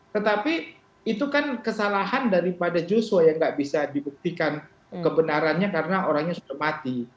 tetapi itu kan kesalahan daripada joshua yang nggak bisa dibuktikan kebenarannya karena orangnya sudah mati